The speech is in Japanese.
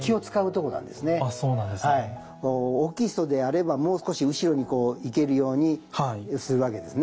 大きい人であればもう少し後ろにこう行けるようにするわけですね。